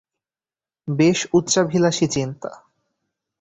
বেশ উচ্চাভিলাসী চিন্তা।